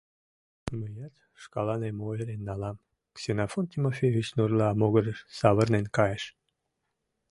Мыят шкаланем ойырен налам, — Ксенофонт Тимофеевич нурла могырыш савырнен кайыш.